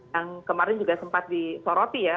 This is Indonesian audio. yang kemarin juga sempat disoroti ya